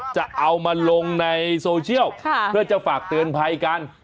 จะเอามาลงในโซเชียลเพื่อจะฝากเตือนภัยกัน